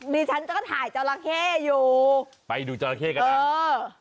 นี่ฉันก็ถ่ายจัลละเคอยู่ไปดูจัลละเคกันนะเออ